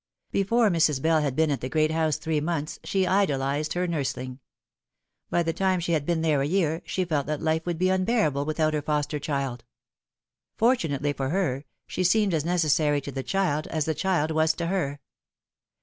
Before Mrs. Bell had been at the great house three months she idolised her nursling. By the time she had been there a year she felt that life would be unbearable without her foster child. Fortunately for her, she seemed as necessary to the child as the child was to her.